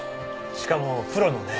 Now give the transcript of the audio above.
しかもプロのね。